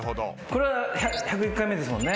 これは『１０１回目』ですもんね。